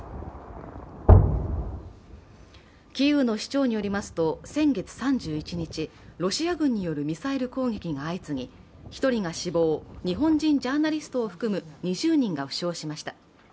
キーウの市長によりますと先月３１日ロシア軍によるミサイル攻撃が相次ぎ、１人が死亡、日本人ジャーナリストを含む２０人が負傷しました。